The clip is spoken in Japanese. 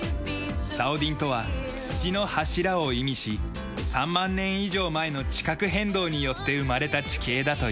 サオディンとは「土の柱」を意味し３万年以上前の地殻変動によって生まれた地形だという。